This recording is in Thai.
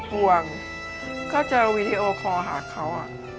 ห่วงก็จะวีดีโอคอลหาเขา